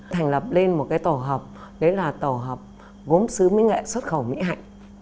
thành lập lên một cái tổ hợp đấy là tổ hợp gốm sứ miếng nghệ xuất khẩu mỹ hạnh